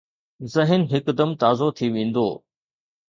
ذهن هڪدم تازو ٿي ويندو